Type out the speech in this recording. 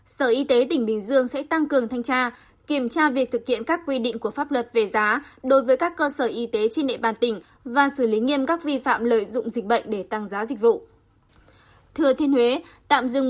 sở y tế tỉnh bình dương sẽ tăng cường thanh tra kiểm tra việc thực hiện các quy định của pháp luật về giá đối với các cơ sở y tế trên địa bàn tỉnh và xử lý nghiêm các vi phạm lợi dụng dịch bệnh để tăng giá dịch vụ